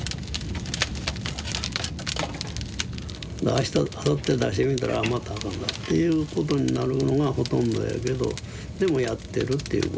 あしたあさって出してみたらああまたあかんかったっていうことになるのがほとんどやけどでもやってるっていうことですね。